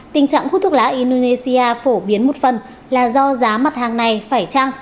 tình trạng hút thuốc lá indonesia phổ biến một phần là do giá mặt hàng này phải trăng